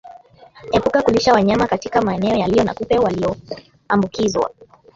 Epuka kulisha wanyama katika maeneo yaliyo na kupe walioambukizwa